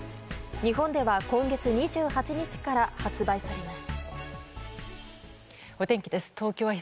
日本では今月２８日から発売されます。